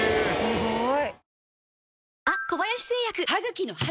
すごい。